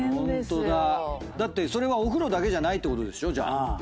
だってそれはお風呂だけじゃないってことでしょ？